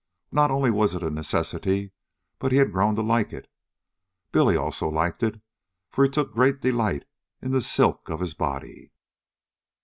Not only was it a necessity, but he had grown to like it. Billy also liked it, for he took great delight in the silk of his body.